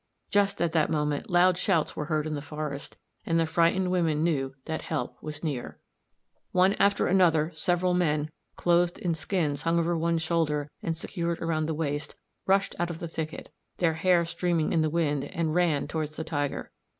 Just at that moment loud shouts were heard in the forest, and the frightened women knew that help was near. [Illustration: Fig. 77. Palæolithic times.] One after another, several men, clothed in skins hung over one shoulder and secured round the waist, rushed out of the thicket, their hair streaming in the wind, and ran towards the tiger.